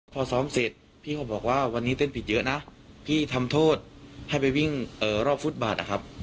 พอซ้อมเสร็จพี่เขาบอกว่าวันนี้เต้นผิดเยอะนะพี่ทำโทษให้ไปวิ่งรอบฟุตบาทนะครับ